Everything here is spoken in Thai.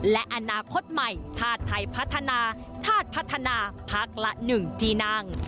และอนาคตใหม่ชาติไทยพัฒนาชาติพัฒนาพักละ๑ที่นั่ง